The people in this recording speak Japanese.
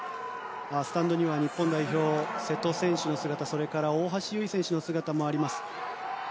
スタンドには日本代表瀬戸選手の姿それから大橋悠依選手の姿もあります。